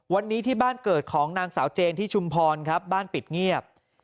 วันนี้ที่บ้านเกิดของนางสาวเจนที่ชุมพรครับบ้านปิดเงียบ